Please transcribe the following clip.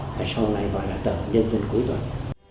rồi sau này gọi là tờ nhân dân cuối tuần